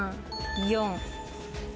４。